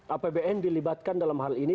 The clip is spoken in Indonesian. apbn dilibatkan dalam hal ini